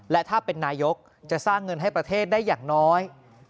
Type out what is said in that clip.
และถ้าเป็นนายกจะสร้างเงินให้ประเทศได้อย่างน้อย